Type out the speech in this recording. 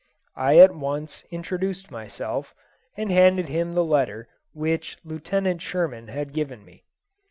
I at once introduced myself, and handed him the letter which Lieutenant Sherman had given me.